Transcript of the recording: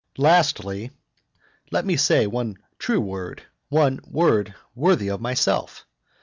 Lastly, (let me at last say one true word, one word worthy of myself!)